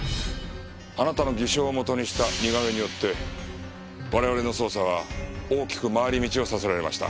あなたの偽証をもとにした似顔絵によって我々の捜査は大きく回り道をさせられました。